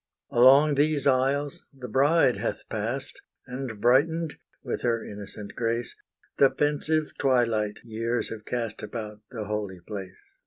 Along these aisles the bride hath passed, And brightened, with her innocent grace. The pensive twilight years have cast About the holy place.